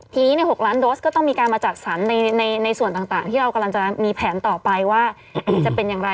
ทีนี้๖ล้านโดสก็ต้องมีการมาจัดสรรในส่วนต่างที่เรากำลังจะมีแผนต่อไปว่าจะเป็นอย่างไร